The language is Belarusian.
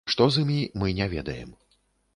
Што з імі, мы не ведаем.